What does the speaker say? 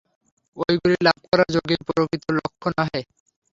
ঐগুলি লাভ করা যোগীর প্রকৃত লক্ষ্য নহে।